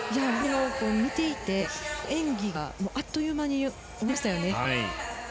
見ていて、演技があっという間に終わりましたよね。